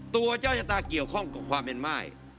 ตัวเจ้าชะตาเกี่ยวข้องกับความเป็นม่าย